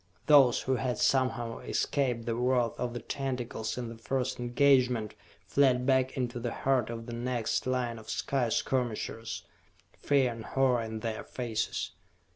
Those who had somehow escaped the wrath of the tentacles in the first engagement fled back into the heart of the next line of sky skirmishers, fear and horror in their faces.